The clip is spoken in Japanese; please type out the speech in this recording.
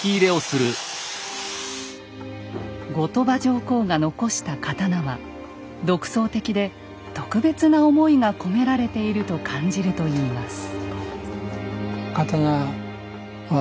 後鳥羽上皇が残した刀は独創的で特別な思いが込められていると感じるといいます。